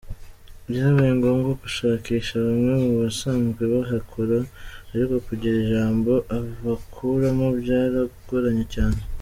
Byabaye ngombwa gushakisha bamwe mu basanzwe bahakora, ariko kugira ijambo ubakuramo byaragoranye cyane.